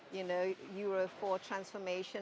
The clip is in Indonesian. untuk mendapatkan transformasi eur empat